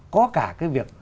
có cả cái việc